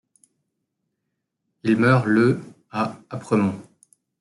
Il meurt le à Apremont.